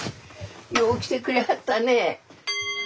よう来てくれはったね。